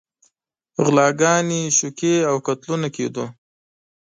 غلاګانې، شوکې او قتلونه کېدل.